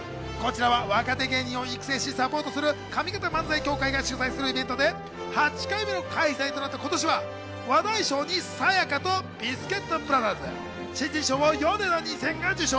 若手芸人を育成し、サポートする上方漫才協会が主催するイベントで８回目の開催となった今年は、話題賞にさや香とビスケットブラザーズ、新人賞をヨネダ２０００が受賞。